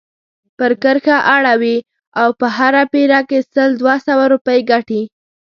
پر کرښه اړوي او په هره پيره کې سل دوه سوه روپۍ ګټي.